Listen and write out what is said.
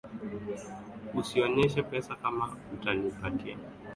Usinioneshe pesa kama hutanipatia